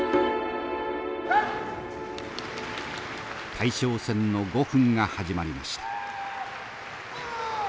大将戦の５分が始まりました。